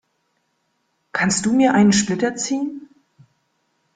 Kannst du mir einen Splitter ziehen?